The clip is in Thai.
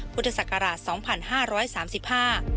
พุทธศักราช๒๕๓๕